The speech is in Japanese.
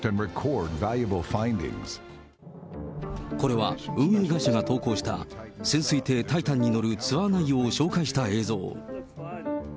これは運営会社が投稿した潜水艇、タイタンに乗るツアー内容を紹介した映像。